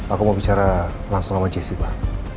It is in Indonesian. aku mau bicara langsung sama jaycee pak